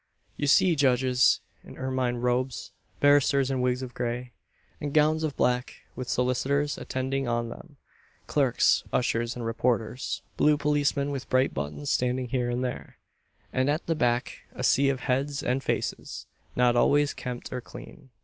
You see judges in ermine robes; barristers in wigs of grey, and gowns of black, with solicitors attending on them; clerks, ushers, and reporters; blue policemen with bright buttons standing here and there; and at the back a sea of heads and faces, not always kempt or clean.